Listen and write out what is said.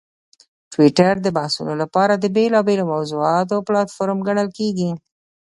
ټویټر د بحثونو لپاره د بېلابېلو موضوعاتو پلیټفارم ګڼل کېږي.